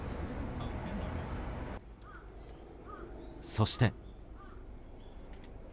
そして。